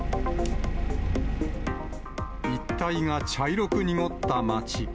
一帯が茶色く濁った町。